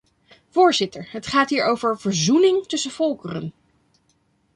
Voorzitter, het gaat hier over verzoening tussen volkeren.